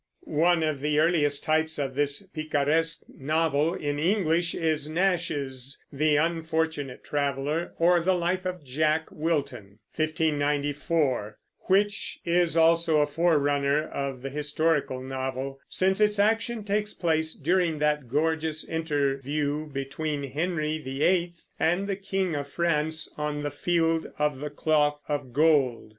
One of the earliest types of this picaresque novel in English is Nash's The Unfortunate Traveller, or the Life of Jack Wilton (1594), which is also a forerunner of the historical novel, since its action takes place during that gorgeous interview between Henry VIII and the king of France on the Field of the Cloth of Gold.